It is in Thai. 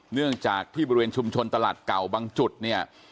เนื่องจากที่บริเวณชุมชนตลาดเก่าบางจุดเนี่ย